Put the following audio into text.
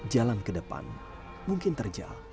jalan ke depan mungkin terjal